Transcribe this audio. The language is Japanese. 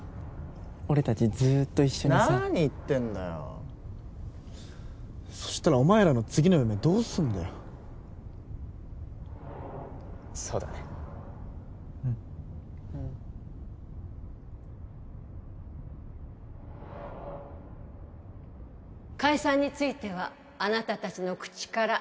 俺達ずっと一緒にさなに言ってんだよそしたらお前らの次の夢どうすんだよそうだね・うん・うん解散についてはあなた達の口から